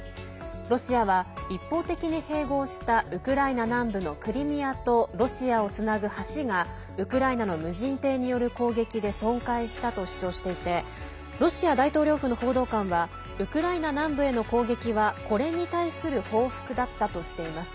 ロシアは一方的に併合したウクライナ南部のクリミアとロシアをつなぐ橋がウクライナの無人艇による攻撃で損壊したと主張していてロシア大統領府の報道官はウクライナ南部への攻撃はこれに対する報復だったとしています。